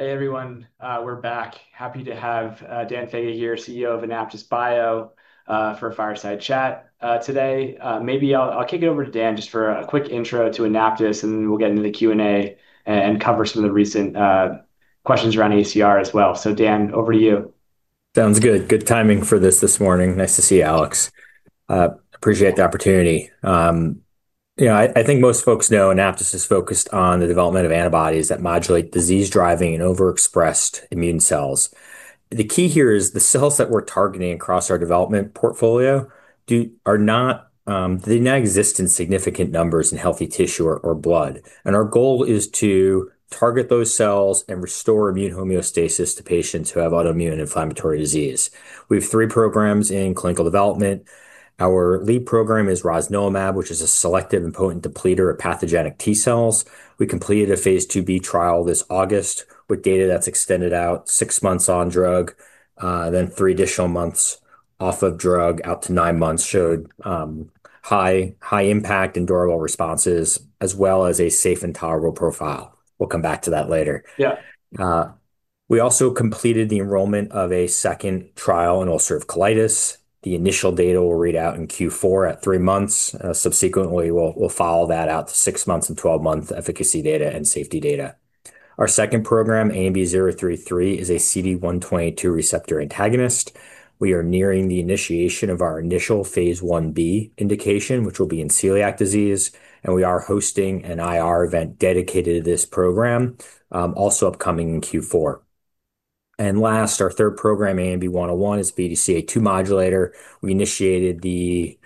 Hey everyone, we're back. Happy to have Daniel Faga, your CEO of AnaptysBio, for a fireside chat today. Maybe I'll kick it over to Daniel just for a quick intro to AnaptysBio and then we'll get into the Q&A and cover some of the recent questions around ECR as well. Dan, over to you. Sounds good. Good timing for this this morning. Nice to see you, Alex. I appreciate the opportunity. You know, I think most folks know AnaptysBio is focused on the development of antibodies that modulate disease-driving and overexpressed immune cells. The key here is the cells that we're targeting across our development portfolio do not exist in significant numbers in healthy tissue or blood. Our goal is to target those cells and restore immune homeostasis to patients who have autoimmune and inflammatory disease. We have three programs in clinical development. Our lead program is rosnilimab, which is a selective and potent depletor of pathogenic T cells. We completed a phase IIb trial this August with data that's extended out six months on drug, then three additional months off of drug out to nine months, showed high impact and durable responses, as well as a safe and tolerable profile. We'll come back to that later. We also completed the enrollment of a second trial in ulcerative colitis. The initial data will read out in Q4 at three months. Subsequently, we'll follow that out to six months and 12 months efficacy data and safety data. Our second program, ANB033, is a CD122 receptor antagonist. We are nearing the initiation of our initial phase IB indication, which will be in celiac disease. We are hosting an IR event dedicated to this program, also upcoming in Q4. Last, our third program, ANB101, is a BDCA2 modulator. We initiated the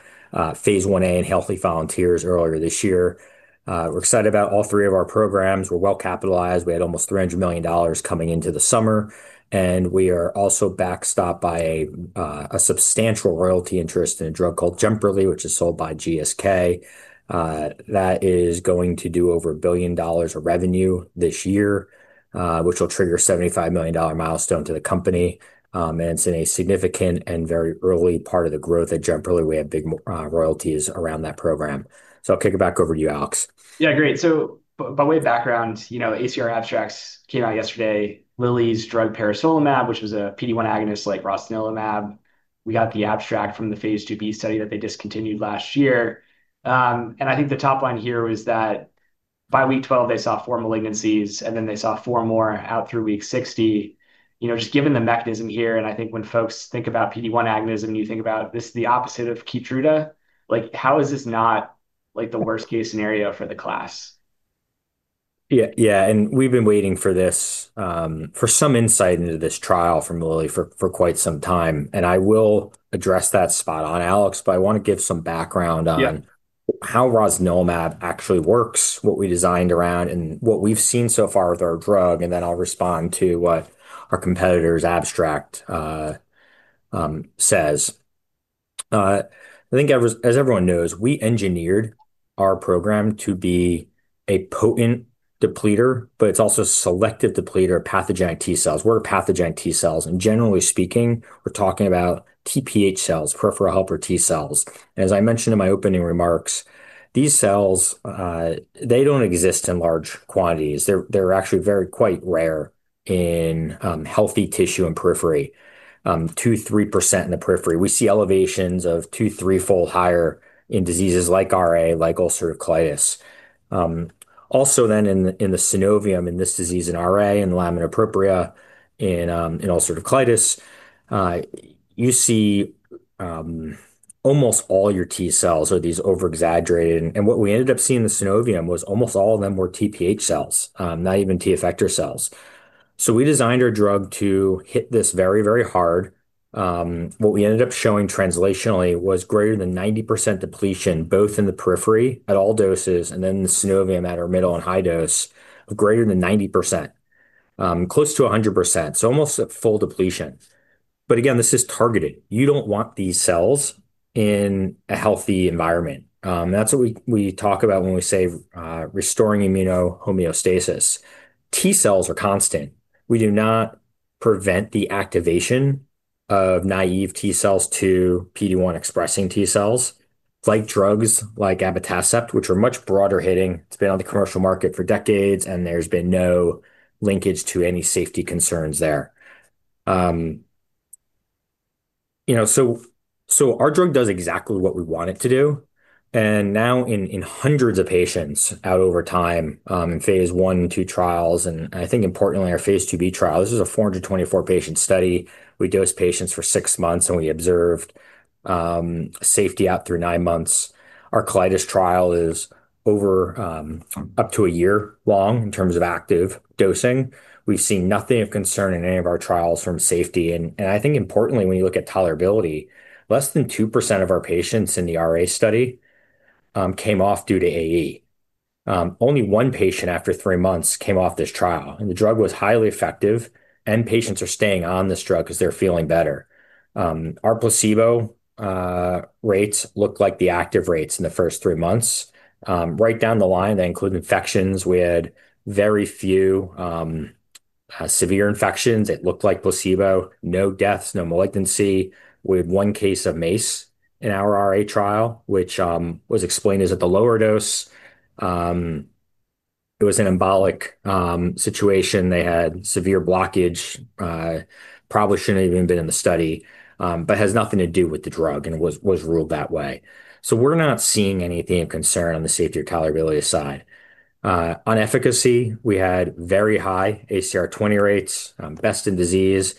phase IA in healthy volunteers earlier this year. We're excited about all three of our programs. We're well capitalized. We had almost $300 million coming into the summer. We are also backstopped by a substantial royalty interest in a drug called dostarlimab (Jemperli), which is sold by GSK. That is going to do over $1 billion of revenue this year, which will trigger a $75 million milestone to the company. It's in a significant and very early part of the growth at Jemperli. We have big royalties around that program. I'll kick it back over to you, Alex. Yeah, great. By way of background, you know, the ECR abstracts came out yesterday. Lilly's drug parasolumab, which was a PD-1 agonist like rosnilimab. We have the abstract from the phase IIb study that they discontinued last year. I think the top line here was that by week 12, they saw four malignancies, and then they saw four more out through week 60. You know, just given the mechanism here, and I think when folks think about PD-1 agonism, you think about this is the opposite of Keytruda. How is this not like the worst-case scenario for the class? Yeah, yeah, and we've been waiting for this, for some insight into this trial from Lilly for quite some time. I will address that spot on, Alex, but I want to give some background on how rosnilimab actually works, what we designed around, and what we've seen so far with our drug. Then I'll respond to what our competitor's abstract says. I think, as everyone knows, we engineered our program to be a potent depletor, but it's also a selective depletor of pathogenic T cells. We're targeting pathogenic T cells. Generally speaking, we're talking about TPH cells, peripheral helper T cells. As I mentioned in my opening remarks, these cells, they don't exist in large quantities. They're actually quite rare in healthy tissue and periphery, 2-3% in the periphery. We see elevations of 2-3-fold higher in diseases like rheumatoid arthritis, like ulcerative colitis. Also then in the synovium in this disease in rheumatoid arthritis and lamina propria in ulcerative colitis, you see almost all your T cells are these overexaggerated. What we ended up seeing in the synovium was almost all of them were TPH cells, not even T effector cells. We designed our drug to hit this very, very hard. What we ended up showing translationally was greater than 90% depletion, both in the periphery at all doses and then in the synovium at our middle and high dose of greater than 90%, close to 100%. Almost a full depletion. Again, this is targeted. You don't want these cells in a healthy environment, and that's what we talk about when we say restoring immuno homeostasis. T cells are constant. We do not prevent the activation of naive T cells to PD-1 expressing T cells. It's like drugs like Abatacept, which are much broader hitting. It's been on the commercial market for decades, and there's been no linkage to any safety concerns there. Our drug does exactly what we want it to do. Now in hundreds of patients out over time, in phase I and II trials, and I think importantly in our phase IIb trial, this is a 424-patient study. We dose patients for six months, and we observed safety out through nine months. Our colitis trial is over, up to a year long in terms of active dosing. We've seen nothing of concern in any of our trials from safety. I think importantly, when you look at tolerability, less than 2% of our patients in the rheumatoid arthritis study came off due to AE. Only one patient after three months came off this trial. And the drug was highly effective, and patients are staying on this drug because they're feeling better. Our placebo rates look like the active rates in the first three months. Right down the line, they include infections. We had very few severe infections. It looked like placebo. No deaths, no malignancy. We had one case of MACE in our RA trial, which was explained as at the lower dose. It was an embolic situation. They had severe blockage, probably shouldn't have even been in the study, but has nothing to do with the drug and was ruled that way. We're not seeing anything of concern on the safety or tolerability side. On efficacy, we had very high ACR20 rates, best in disease.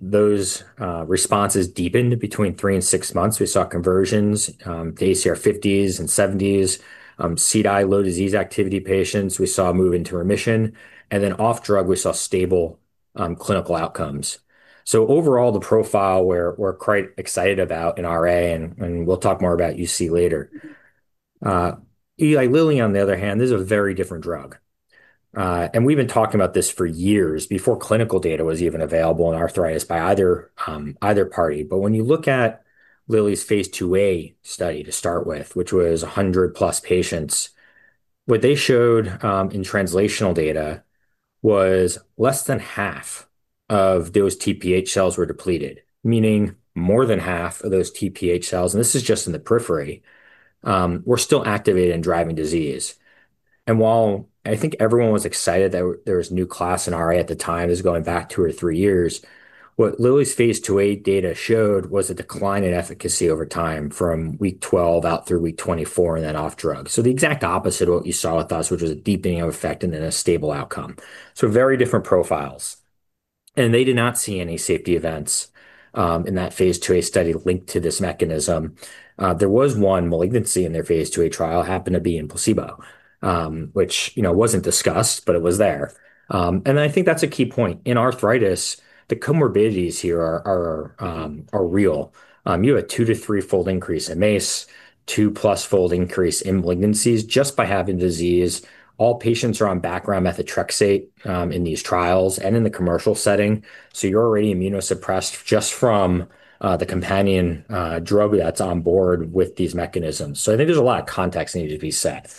Those responses deepened between three and six months. We saw conversions to ACR50s and 70s. CDI low disease activity patients, we saw move into remission. Off drug, we saw stable clinical outcomes. Overall, the profile we're quite excited about in RA, and we'll talk more about UC later. Eli Lilly, on the other hand, this is a very different drug. We have been talking about this for years before clinical data was even available in arthritis by either party. When you look at Lilly's phase IIa study to start with, which was 100 plus patients, what they showed in translational data was less than half of those TPH cells were depleted, meaning more than half of those TPH cells, and this is just in the periphery, were still activated and driving disease. While I think everyone was excited that there was a new class in RA at the time, this is going back two or three years, what Lilly's phase IIa data showed was a decline in efficacy over time from week 12 out through week 24 and then off drug. The exact opposite of what you saw with us, which was a deepening of effect and then a stable outcome. Very different profiles. They did not see any safety events in that phase IIa study linked to this mechanism. There was one malignancy in their phase IIa trial that happened to be in placebo, which wasn't discussed, but it was there. I think that's a key point. In arthritis, the comorbidities here are real. You have a two to three-fold increase in MACE, two plus fold increase in malignancies just by having disease. All patients are on background methotrexate in these trials and in the commercial setting. You're already immunosuppressed just from the companion drug that's on board with these mechanisms. I think there's a lot of context that needs to be set.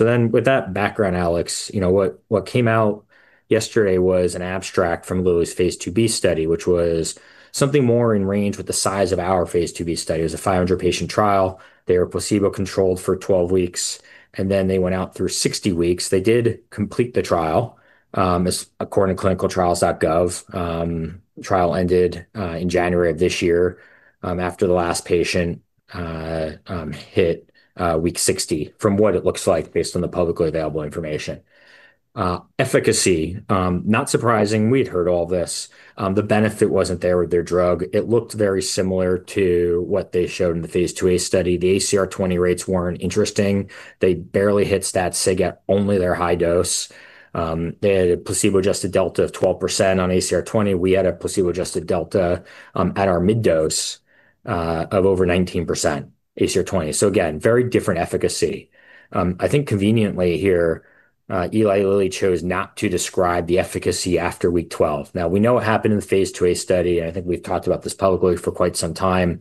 With that background, Alex, what came out yesterday was an abstract from Eli Lilly's phase IIb study, which was something more in range with the size of our phase IIb study. It was a 500-patient trial. They were placebo controlled for 12 weeks, and then they went out through 60 weeks. They did complete the trial, as according to clinicaltrials.gov. The trial ended in January of this year, after the last patient hit week 60, from what it looks like based on the publicly available information. Efficacy, not surprising. We'd heard all of this. The benefit wasn't there with their drug. It looked very similar to what they showed in the phase IIa study. The ACR20 rates weren't interesting. They barely hit stat siga only their high dose. They had a placebo-adjusted delta of 12% on ACR20. We had a placebo-adjusted delta, at our mid-dose, of over 19% ACR20. Very different efficacy. I think conveniently here, Eli Lilly chose not to describe the efficacy after week 12. Now, we know what happened in the phase IIa study, and I think we've talked about this publicly for quite some time.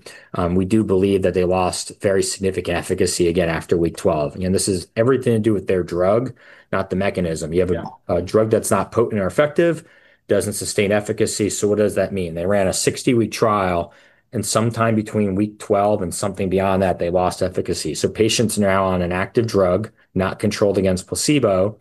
We do believe that they lost very significant efficacy again after week 12. This is everything to do with their drug, not the mechanism. You have a drug that's not potent or effective, doesn't sustain efficacy. What does that mean? They ran a 60-week trial, and sometime between week 12 and something beyond that, they lost efficacy. Patients now on an active drug, not controlled against placebo,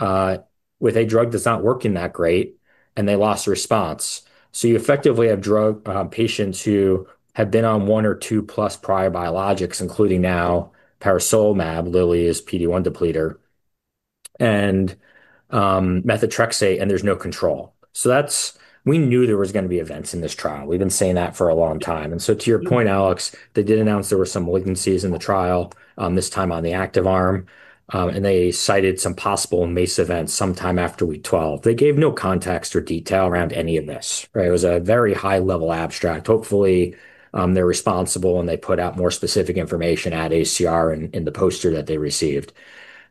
with a drug that's not working that great, and they lost a response. You effectively have patients who have been on one or two plus prior biologics, including now parasolumab, Eli Lilly's PD-1 depletor, and methotrexate, and there's no control. We knew there were going to be events in this trial. We've been saying that for a long time. To your point, Alex, they did announce there were some malignancies in the trial, this time on the active arm, and they cited some possible MACE events sometime after week 12. They gave no context or detail around any of this. It was a very high-level abstract. Hopefully, they're responsible and they put out more specific information at ACR in the poster that they received.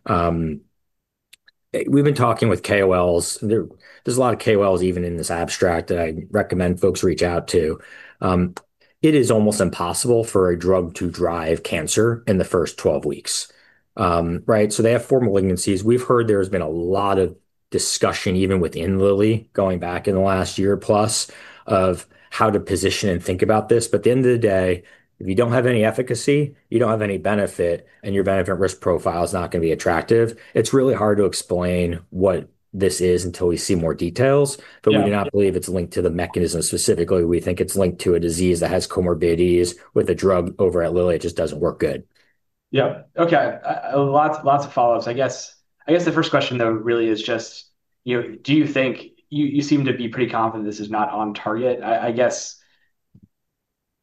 We've been talking with KOLs. There's a lot of KOLs even in this abstract that I recommend folks reach out to. It is almost impossible for a drug to drive cancer in the first 12 weeks, right? They have four malignancies. We've heard there's been a lot of discussion even within Lilly, going back in the last year plus of how to position and think about this. At the end of the day, if you don't have any efficacy, you don't have any benefit, and your benefit risk profile is not going to be attractive. It's really hard to explain what this is until we see more details. We do not believe it's linked to the mechanism specifically. We think it's linked to a disease that has comorbidities with a drug over at Lilly. It just doesn't work good. Okay. Lots of follow-ups. I guess the first question though really is just, you know, do you think you seem to be pretty confident this is not on target? I guess,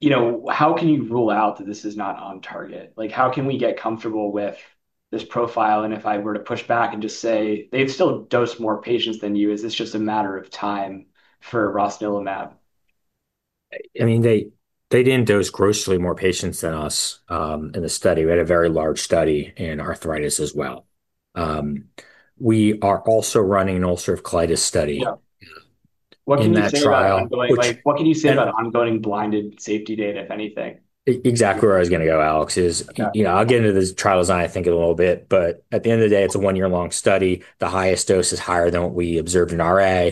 you know, how can you rule out that this is not on target? Like, how can we get comfortable with this profile? If I were to push back and just say they've still dosed more patients than you, is this just a matter of time for rosnilimab? I mean, they didn't dose grossly more patients than us in the study. We had a very large study in arthritis as well. We are also running an ulcerative colitis study in that trial. What can you say about ongoing blinded safety data, if anything? Exactly where I was going to go, Alex, is, you know, I'll get into the trial design, I think, in a little bit, but at the end of the day, it's a one-year-long study. The highest dose is higher than what we observed in RA.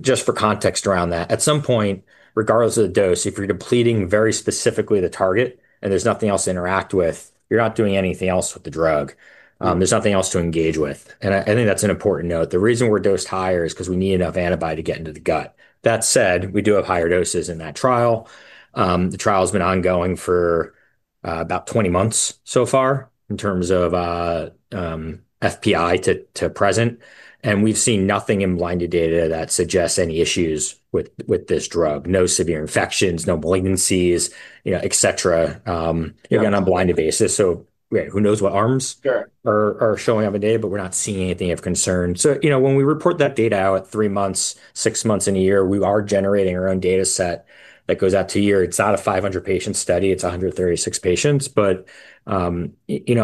Just for context around that, at some point, regardless of the dose, if you're depleting very specifically the target and there's nothing else to interact with, you're not doing anything else with the drug. There's nothing else to engage with. I think that's an important note. The reason we're dosed higher is because we need enough antibody to get into the gut. That said, we do have higher doses in that trial. The trial's been ongoing for about 20 months so far in terms of FPI to present. We've seen nothing in blinded data that suggests any issues with this drug. No severe infections, no malignancies, you know, et cetera, again, on a blinded basis. Who knows what arms are showing up in the data, but we're not seeing anything of concern. When we report that data out at three months, six months, and a year, we are generating our own data set that goes out to a year. It's not a 500-patient study. It's 136 patients. At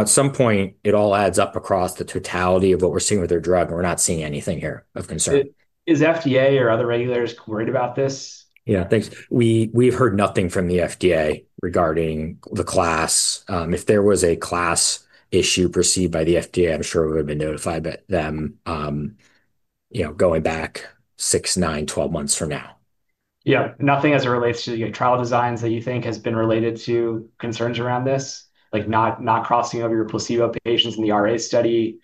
some point, it all adds up across the totality of what we're seeing with their drug, and we're not seeing anything here of concern. Is FDA or other regulators worried about this? Yeah, thanks. We've heard nothing from the FDA regarding the class. If there was a class issue perceived by the FDA, I'm sure we would have been notified of them, you know, going back 6, 9, 12 months from now. Yeah, nothing as it relates to the trial designs that you think has been related to concerns around this, like not crossing over your placebo patients in the RA study,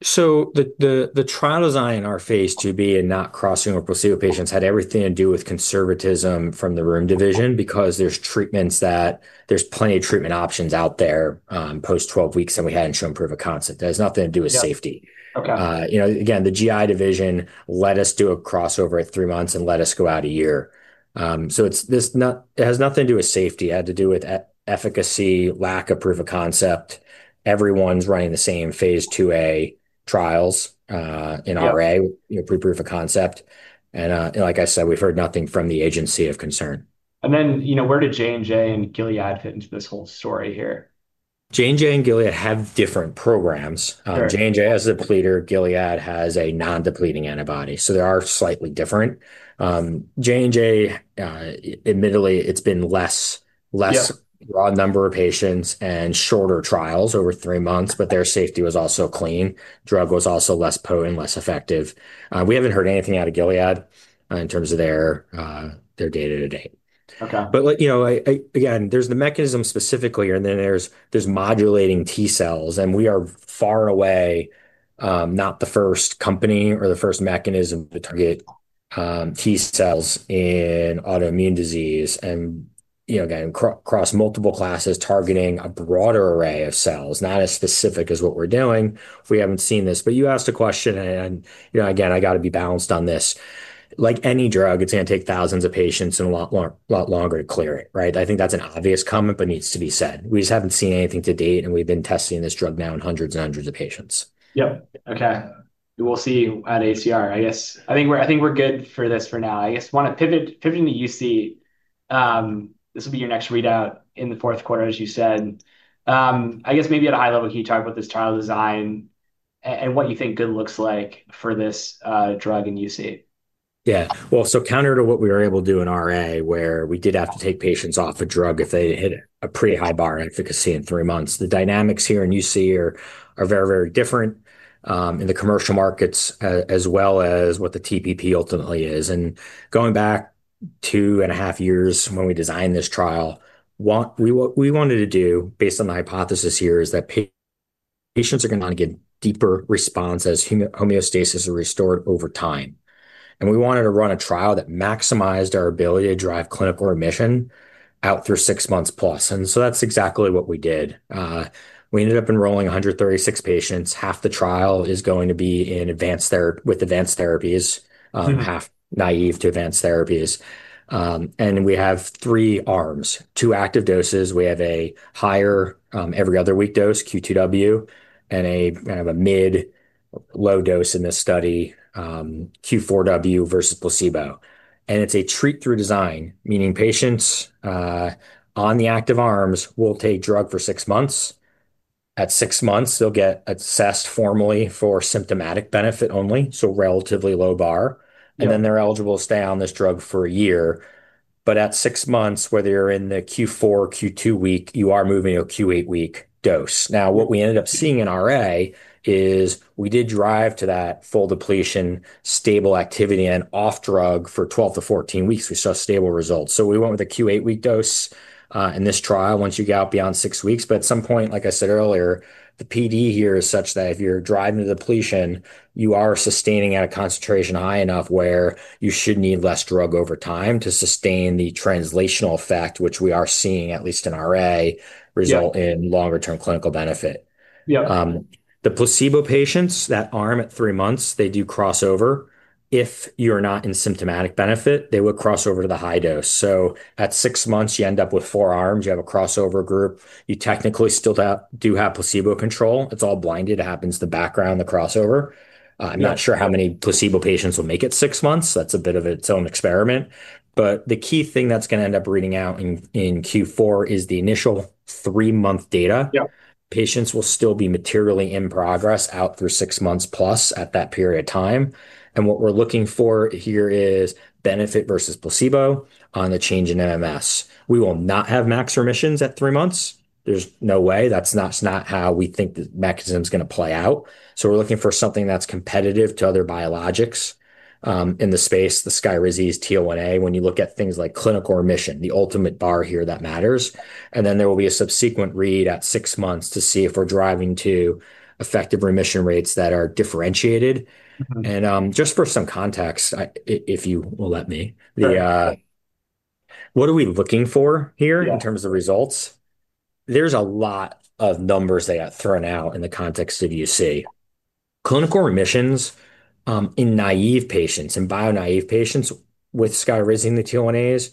etc.? The trial design in our phase IIb and not crossing over placebo patients had everything to do with conservatism from the room division because there's treatments, there's plenty of treatment options out there post 12 weeks, and we hadn't shown proof of concept. It has nothing to do with safety. Again, the GI division let us do a crossover at three months and let us go out a year. It has nothing to do with safety. It had to do with efficacy, lack of proof of concept. Everyone's running the same phase IIa trials in RA, pre-proof of concept. Like I said, we've heard nothing from the agency of concern. Where do Johnson & Johnson and Gilead fit into this whole story here? Johnson and Gilead have different programs. Johnson & Johnson has a depletor. Gilead has a non-depleting antibody, so they are slightly different. Johnson & Johnson, admittedly, it's been less, less raw number of patients and shorter trials over three months, but their safety was also clean. Drug was also less potent, less effective. We haven't heard anything out of Gilead in terms of their data to date. Okay. There is the mechanism specifically, and then there is modulating T cells. We are far away, not the first company or the first mechanism to target T cells in autoimmune disease. Across multiple classes targeting a broader array of cells, not as specific as what we're doing. We haven't seen this, but you asked a question, and I got to be balanced on this. Like any drug, it's going to take thousands of patients and a lot longer to clear it, right? I think that's an obvious comment, but it needs to be said. We just haven't seen anything to date, and we've been testing this drug now in hundreds and hundreds of patients. Okay. We'll see at ACR. I think we're good for this for now. I want to pivot to UC, this will be your next readout in the fourth quarter, as you said. Maybe at a high level, can you talk about this trial design and what you think good looks like for this drug in UC? Yeah, so counter to what we were able to do in RA, where we did have to take patients off a drug if they hit a pretty high bar in efficacy in three months, the dynamics here in UC are very, very different, in the commercial markets, as well as what the TPP ultimately is. Going back two and a half years when we designed this trial, what we wanted to do based on the hypothesis here is that patients are going to want to get deeper response as homeostasis is restored over time. We wanted to run a trial that maximized our ability to drive clinical remission out through six months plus. That's exactly what we did. We ended up enrolling 136 patients. Half the trial is going to be in advanced therapy with advanced therapies, half naive to advanced therapies. We have three arms, two active doses. We have a higher, every other week dose, Q2W, and a kind of a mid-low dose in this study, Q4W versus placebo. It's a treat-through design, meaning patients on the active arms will take drug for six months. At six months, they'll get assessed formally for symptomatic benefit only, so relatively low bar. They're eligible to stay on this drug for a year. At six months, whether you're in the Q4 or Q2 week, you are moving to a Q8 week dose. What we ended up seeing in RA is we did drive to that full depletion, stable activity, and off drug for 12 to 14 weeks. We saw stable results. We went with a Q8 week dose in this trial once you get out beyond six weeks. At some point, like I said earlier, the PD here is such that if you're driving the depletion, you are sustaining at a concentration high enough where you should need less drug over time to sustain the translational effect, which we are seeing, at least in RA, result in longer-term clinical benefit. Yeah. The placebo patients, that arm at three months, they do crossover. If you're not in symptomatic benefit, they will cross over to the high dose. At six months, you end up with four arms. You have a crossover group. You technically still do have placebo control. It's all blinded. It happens to the background, the crossover. I'm not sure how many placebo patients will make it six months. That's a bit of its own experiment. The key thing that's going to end up reading out in Q4 is the initial three-month data. Patients will still be materially in progress out through six months plus at that period of time. What we're looking for here is benefit versus placebo on the change in MMS. We will not have max remissions at three months. There's no way. That's not how we think the mechanism is going to play out. We're looking for something that's competitive to other biologics in the space, the Skyrizi's T01A. When you look at things like clinical remission, the ultimate bar here that matters. There will be a subsequent read at six months to see if we're driving to effective remission rates that are differentiated. Just for some context, if you will let me, what are we looking for here in terms of results? There's a lot of numbers that got thrown out in the context of UC, clinical remissions, in naive patients, in bio-naive patients with Skyrizi and the T01As.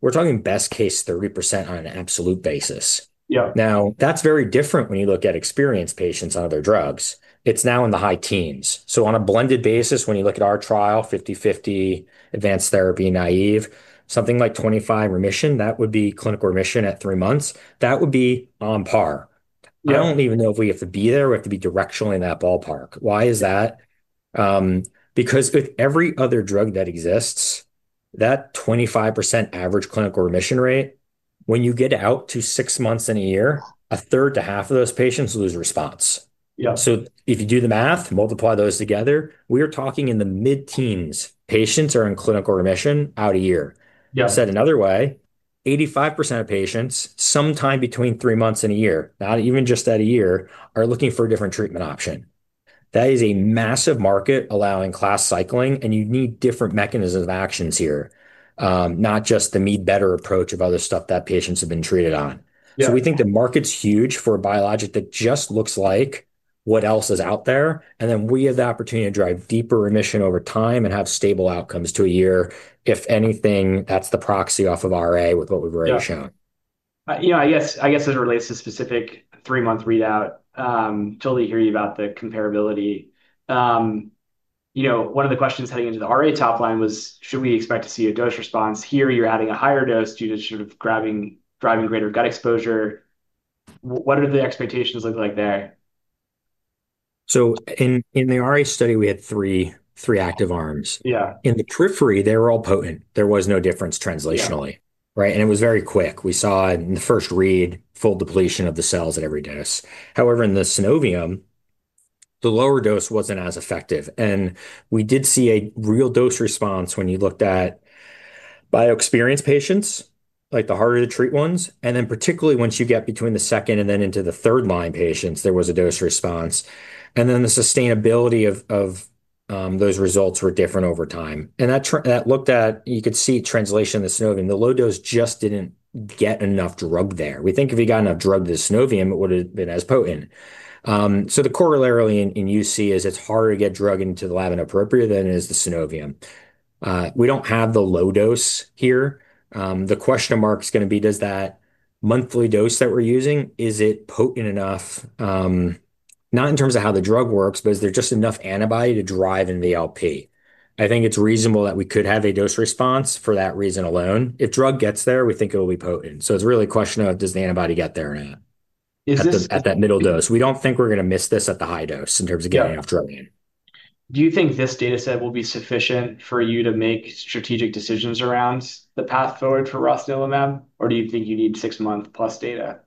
We're talking best case 30% on an absolute basis. Yeah. Now, that's very different when you look at experienced patients on other drugs. It's now in the high teens. On a blended basis, when you look at our trial, 50-50 advanced therapy naive, something like 25% remission, that would be clinical remission at three months. That would be on par. You don't even know if we have to be there. We have to be directionally in that ballpark. Why is that? Because with every other drug that exists, that 25% average clinical remission rate, when you get out to six months and a year, a third to half of those patients lose response. Yeah. If you do the math, multiply those together, we are talking in the mid-teens. Patients are in clinical remission out a year. Yeah. Said another way, 85% of patients sometime between three months and a year, not even just at a year, are looking for a different treatment option. That is a massive market allowing class cycling, and you need different mechanisms of action here, not just the me-better approach of other stuff that patients have been treated on. Yeah. We think the market's huge for a biologic that just looks like what else is out there. We have the opportunity to drive deeper remission over time and have stable outcomes to a year. If anything, that's the proxy off of RA with what we've already shown. Yeah. As it relates to specific three-month readout, totally hear you about the comparability. One of the questions heading into the RA top line was, should we expect to see a dose response? Here you're adding a higher dose due to sort of driving greater gut exposure. What do the expectations look like there? In the RA study, we had three active arms. Yeah. In the periphery, they were all potent. There was no difference translationally, right? It was very quick. We saw in the first read, full depletion of the cells at every dose. However, in the synovium, the lower dose wasn't as effective. We did see a real dose response when you looked at bio-experienced patients, like the harder to treat ones. Particularly once you get between the second and then into the third line patients, there was a dose response. The sustainability of those results were different over time. That looked at, you could see translation in the synovium. The low dose just didn't get enough drug there. We think if we got enough drug to the synovium, it would have been as potent. The corollary in UC is it's harder to get drug into the lamina propria than it is the synovium. We don't have the low dose here. The question mark is going to be, does that monthly dose that we're using, is it potent enough? Not in terms of how the drug works, but is there just enough antibody to drive in the ALP? I think it's reasonable that we could have a dose response for that reason alone. If drug gets there, we think it will be potent. It's really a question of, does the antibody get there or not? Is it? At that middle dose, we don't think we're going to miss this at the high dose in terms of getting enough drug in. Do you think this data set will be sufficient for you to make strategic decisions around the path forward for rosnilimab, or do you think you need six months plus data?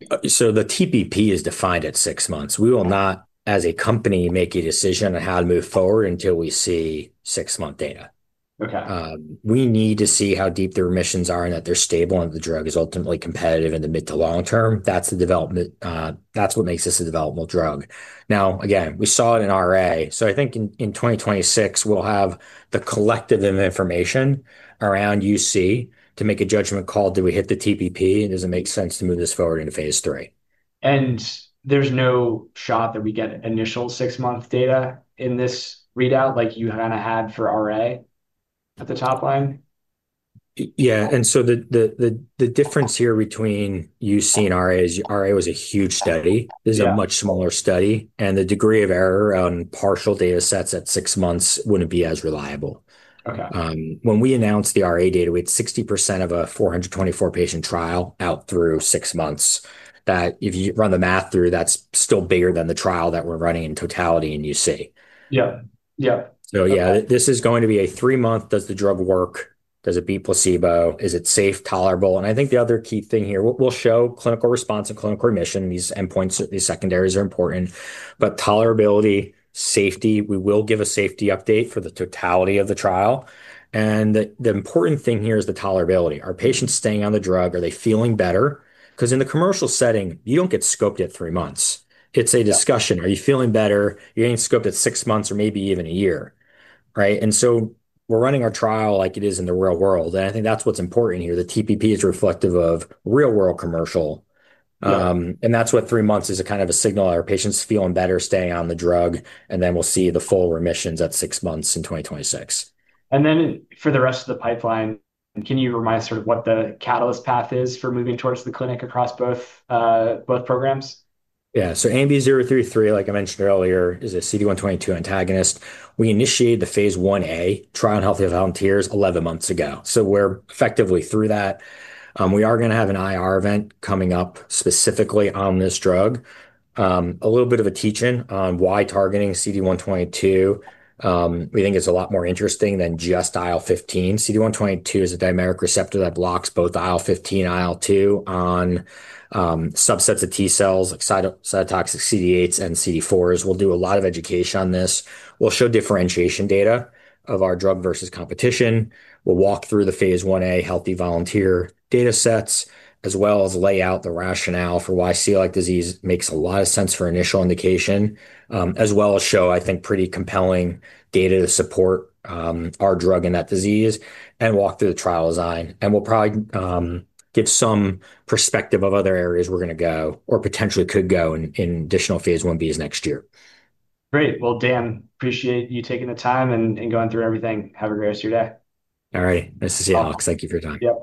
The TPP is defined at six months. We will not, as a company, make a decision on how to move forward until we see six-month data. We need to see how deep the remissions are and that they're stable and the drug is ultimately competitive in the mid to long term. That's the development. That's what makes this a developmental drug. Now, again, we saw it in RA. I think in 2026, we'll have the collective of information around UC to make a judgment call. Do we hit the TPP and does it make sense to move this forward into phase three? There is no shot that we get initial six-month data in this readout like you kind of had for RA at the top line? Yeah, and so the difference here between UC and RA is RA was a huge study. This is a much smaller study, and the degree of error on partial data sets at six months wouldn't be as reliable. When we announced the RA data, we had 60% of a 424-patient trial out through six months. If you run the math through, that's still bigger than the trial that we're running in totality in UC. Yeah, yeah. This is going to be a three-month, does the drug work? Does it beat placebo? Is it safe, tolerable? I think the other key thing here, we'll show clinical response and clinical remission. These endpoints, these secondaries are important. Tolerability and safety, we will give a safety update for the totality of the trial. The important thing here is the tolerability. Are patients staying on the drug? Are they feeling better? In the commercial setting, you don't get scoped at three months. It's a discussion. Are you feeling better? You're getting scoped at six months or maybe even a year, right? We're running our trial like it is in the real world. I think that's what's important here. The TPP is reflective of real-world commercial, and that's what three months is, a kind of a signal that our patients are feeling better, staying on the drug. We'll see the full remissions at six months in 2026. For the rest of the pipeline, can you remind us sort of what the catalyst path is for moving towards the clinic across both programs? Yeah, so ANB033, like I mentioned earlier, is a CD122 antagonist. We initiated the phase IA trial in healthy volunteers 11 months ago. We're effectively through that. We are going to have an IR event coming up specifically on this drug, a little bit of a teach-in on why targeting CD122. We think it's a lot more interesting than just IL-15. CD122 is a dynamic receptor that blocks both IL-15 and IL-2 on subsets of T cells, cytotoxic CD8s and CD4s. We'll do a lot of education on this. We'll show differentiation data of our drug versus competition. We'll walk through the phase IA healthy volunteer data sets, as well as lay out the rationale for why celiac disease makes a lot of sense for initial indication, as well as show, I think, pretty compelling data to support our drug in that disease and walk through the trial design. We'll probably give some perspective of other areas we're going to go or potentially could go in additional phase IBs next year. Great. Dan, appreciate you taking the time and going through everything. Have a great rest of your day. All right. Nice to see you, Alex. Thank you for your time.